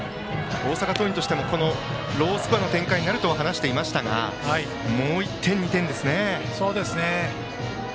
大阪桐蔭としてもロースコアの展開になると話していましたがもう１点、２点ですね。